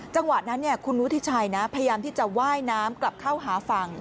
จังหวะนั้นคุณวุฒิชัยนะพยายามที่จะว่ายน้ำกลับเข้าหาฝั่ง